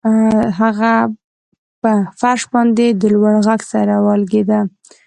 هغه په فرش باندې د لوړ غږ سره ولګیده